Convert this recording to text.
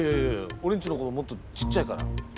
俺んちの子どももっとちっちゃいから。